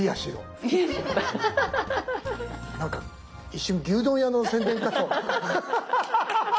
一瞬牛丼屋の宣伝かと。